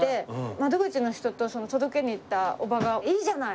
窓口の人と届けに行ったおばが「いいじゃない！」